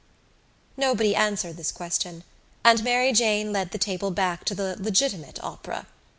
Nobody answered this question and Mary Jane led the table back to the legitimate opera.